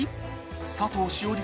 佐藤栞里